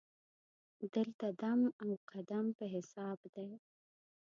دلته دم او قدم په حساب دی.